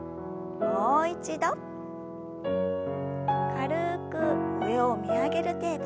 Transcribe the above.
軽く上を見上げる程度。